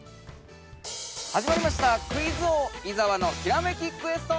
◆始まりました「クイズ王・伊沢のひらめきクエスト」。